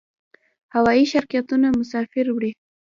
هوایی شرکتونه مسافر وړي